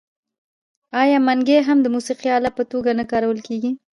آیا منګی هم د موسیقۍ الې په توګه نه کارول کیږي؟